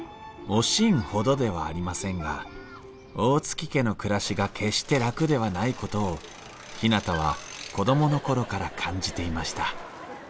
「おしん」ほどではありませんが大月家の暮らしが決して楽ではないことをひなたは子供の頃から感じていました